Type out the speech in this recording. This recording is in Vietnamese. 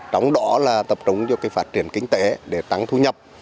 trong đó là tập trung cho phát triển kinh tế để tăng thu nhập